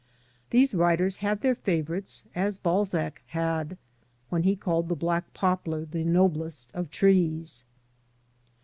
These writers have their favourites as Balzac had, when he called the black poplar the noblest of trees.